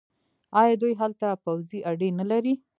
آیا دوی هلته پوځي اډې نلري؟